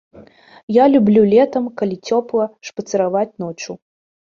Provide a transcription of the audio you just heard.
Я люблю летам, калі цёпла, шпацыраваць ноччу.